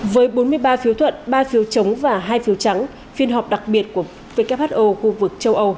với bốn mươi ba phiếu thuận ba phiếu chống và hai phiếu trắng phiên họp đặc biệt của who khu vực châu âu